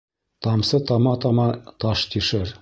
Тамсы тама-тама таш тишер.